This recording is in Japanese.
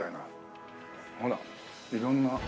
ほら色んな。